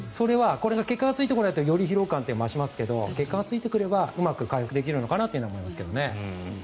結果がついてこないとより疲労感って増しますが結果がついてくればうまく回復できるかなと思いますがね。